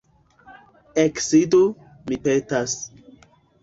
Eksidu, mi petas.